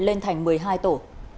lên thành một mươi hai tổ